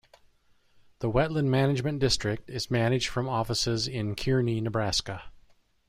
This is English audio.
The Wetland Management District is managed from offices in Kearney, Nebraska.